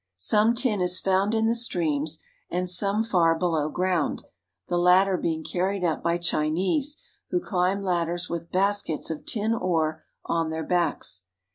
Some tin is found A Pepper Vineyard. in the streams and some far below ground, the latter being carried up by Chinese who climb ladders with baskets of tin ore on their backs.